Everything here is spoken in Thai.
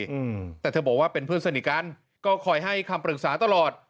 อืมแต่เธอบอกว่าเป็นเพื่อนสนิทกันก็คอยให้คำปรึกษาตลอด